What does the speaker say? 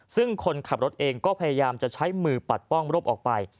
ซึ่งคนขับรถเองก็พยายามจะใช้มือปัดป้องรบออกไป